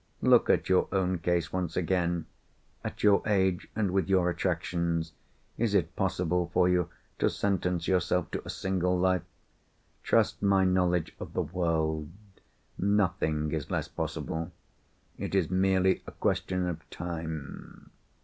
Look at your own case once again. At your age, and with your attractions, is it possible for you to sentence yourself to a single life? Trust my knowledge of the world—nothing is less possible. It is merely a question of time.